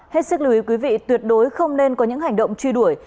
hết sức lưu ý quý vị tuyệt đối không nên có những hành động truy đuổi